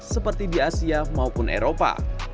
seperti di asia maupun eropa